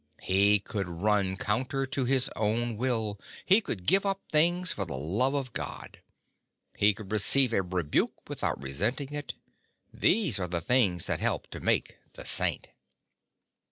He could run counter to his own will. He could give up things for the love of God. He could receive a rebuke without resenting it. These are the things that help to make the Saint.